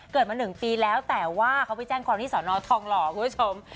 เกิดมา๑ปีแล้วแต่ว่าเขาไปแจ้งความที่สอนอทองหล่อคุณผู้ชม